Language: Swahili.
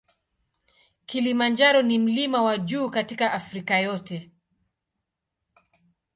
Kilimanjaro na mlima wa juu katika Afrika yote.